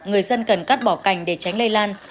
người dân cần cắt bỏ cành để tránh lây lan